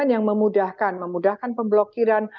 yang memudahkan memudahkan pemblokiran